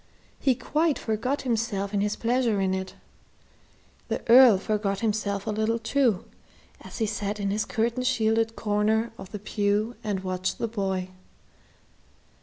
He quite forgot himself in his pleasure in it. The Earl forgot himself a little too, as he sat in his curtain shielded corner of the pew and watched the boy.